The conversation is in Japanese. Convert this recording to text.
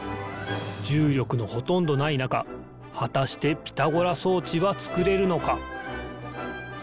じゅうりょくのほとんどないなかはたしてピタゴラそうちはつくれるのか？